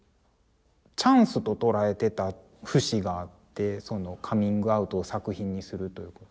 チャンスと捉えてた節があってそのカミングアウトを作品にするという。